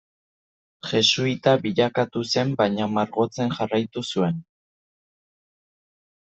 Jesuita bilakatu zen baina margotzen jarraitu zuen.